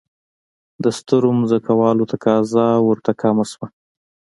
د سترو ځمکوالو تقاضا ورته کمه شوه.